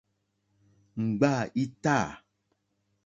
Ŋɡbâ í tâ.